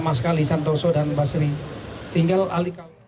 terima kasih sekali santoso dan basri